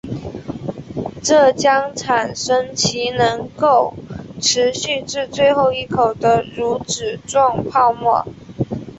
这将产生其能够持续至最后一口的乳脂状泡沫。